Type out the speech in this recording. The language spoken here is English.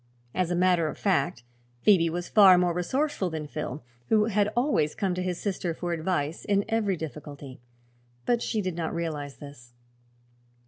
As a matter of fact Phoebe was far more resourceful than Phil, who had always come to his sister for advice in every difficulty. But she did not realize this.